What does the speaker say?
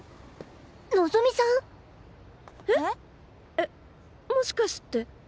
えっもしかして。